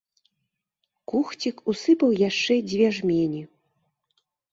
Кухцік усыпаў яшчэ дзве жмені.